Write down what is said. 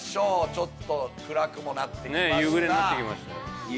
ちょっと暗くもなってきました。